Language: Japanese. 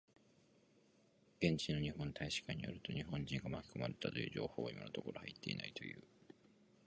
現地の日本大使館によると、日本人が巻き込まれたという情報は今のところ入っていないという。